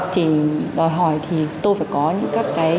thì đòi hỏi thì tôi phải có những các cái